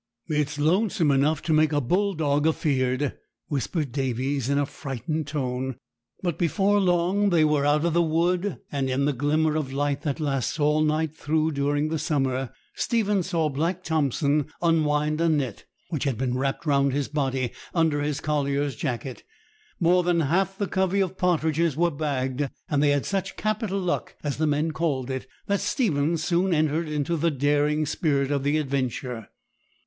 'It's lonesome enough to make a bull dog afeared,' whispered Davies, in a frightened tone. But before long they were out of the wood; and in the glimmer of light that lasts all night through during the summer, Stephen saw Black Thompson unwind a net, which had been wrapped round his body under his collier's jacket. More than half the covey of partridges were bagged; and they had such capital luck, as the men called it, that Stephen soon entered into the daring spirit of the adventure.